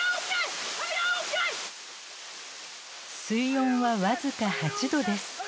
水温は僅か８度です。